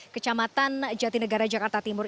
kecamatan jatinegara jakarta timur